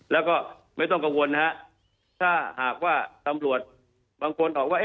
แล้วก็ไม่ต้องกังวลนะฮะถ้าหากว่าตำรวจบางคนบอกว่า